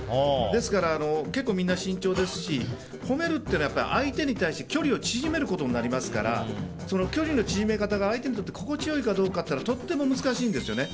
ですから、結構みんな慎重ですし褒めるというのは、相手に対して距離を縮めることになりますからその距離の縮め方が相手にとって心地よいかどうかはとても難しいんですね。